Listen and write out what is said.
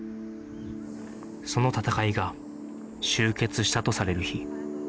その戦いが終結したとされる日